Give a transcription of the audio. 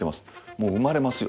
もう生まれますよ。